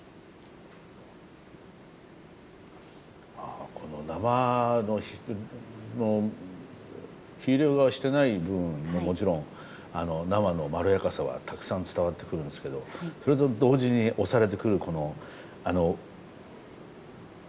あこの生の火入れをしていない部分のもちろん生のまろやかさはたくさん伝わってくるんですけどそれと同時に押されてくるこの酸味がやっぱりいいですね。